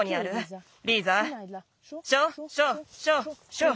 ショー！